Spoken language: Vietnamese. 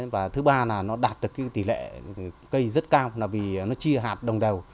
và thứ ba là nó đạt được tỷ lệ cây rất cao là vì nó chia hạt đồng đầu